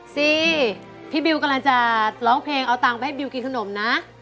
พี่บิวกำลังจะร้องเพลงเอาตังค์ไปให้บิวกินขนมนะ